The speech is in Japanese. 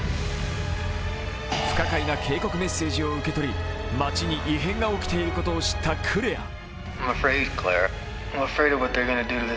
不可解な警告メッセージを受け取り街に異変が起きていることを知ったクレア。